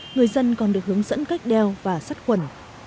người dân còn được hướng dẫn